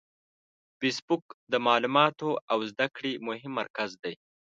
فېسبوک د معلوماتو او زده کړې مهم مرکز دی